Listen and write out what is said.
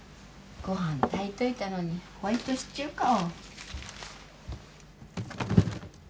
ご飯炊いといたのにホワイトシチューか。